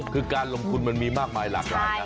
คือการลงทุนมันมีมากมายหลากหลายนะ